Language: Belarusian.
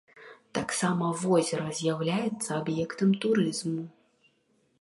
Таксама возера з'яўляецца аб'ектам турызму.